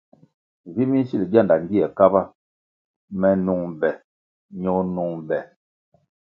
Vi minsil gyanda gie Kaba, me nung be ño nung be.